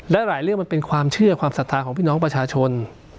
และหลายเรื่องมันเป็นความเชื่อความศรัทธาของพี่น้องประชาชน